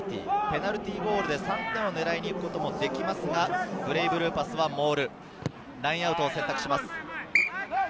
ペナルティーゴールで３点を狙いに行くこともできますが、ブレイブルーパスはモール、ラインアウトを選択します。